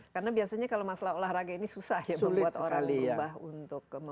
karena biasanya kalau masalah olahraga ini susah ya membuat orang ubah untuk